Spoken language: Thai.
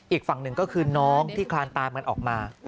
อีกฝั่งหนึ่งก็คือน้องที่คลานตามกันออกมา